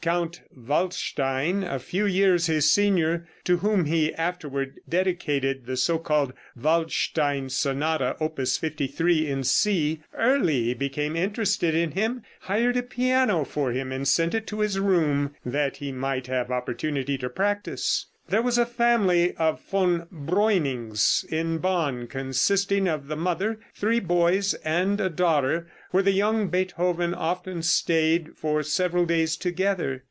Count Waldstein, a few years his senior, to whom he afterward dedicated the so called "Waldstein" sonata, Opus 53, in C, early became interested in him, hired a piano for him and sent it to his room, that he might have opportunity to practice. There was a family of Von Breunings in Bonn, consisting of the mother, three boys and a daughter, where the young Beethoven often stayed for several days together.